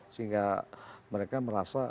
sehingga mereka merasa